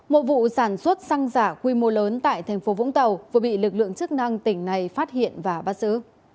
một vụ sản xuất xăng giả quy mô lớn tại thành phố vũng tàu vừa bị lực lượng chức năng tỉnh này phát hiện và bắt giữ